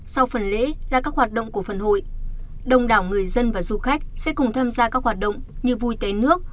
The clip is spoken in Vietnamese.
sau phần lễ là các hoạt động của phần hội đồng đảo người dân và du khách sẽ cùng tham gia các hoạt động như vui tế nước